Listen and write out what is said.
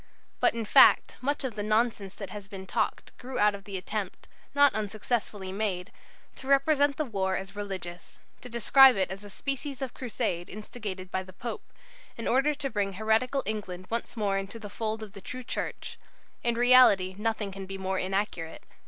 "But, in fact, much of the nonsense that has been talked grew out of the attempt, not unsuccessfully made, to represent the war as religious; to describe it as a species of crusade instigated by the Pope, in order to bring heretical England once more into the fold of the true Church. In reality nothing can be more inaccurate.